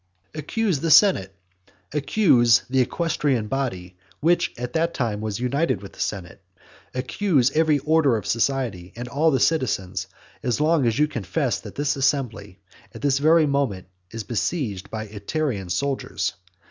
Accuse the senate; accuse the equestrian body, which at that time was united with the senate; accuse every order of society, and all the citizens, as long as you confess that this assembly at this very moment is besieged by Ityrean soldiers.